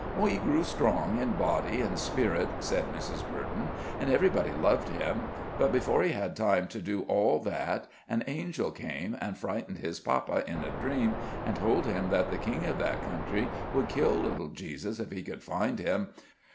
"He grew strong in body and spirit," said Mrs. Burton, "and everybody loved Him; but before He had time to do all that, an angel came and frightened His papa in a dream, and told him that the king of that country would kill little Jesus if he could find Him.